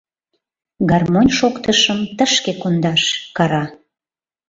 — Гармонь шоктышым тышке кондаш! — кара.